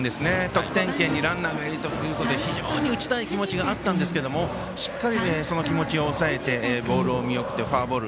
得点圏にランナーがいるということで非常に打ちたい気持ちがあったんですけどもしっかり、その気持ちを抑えてボールを見送ってフォアボール。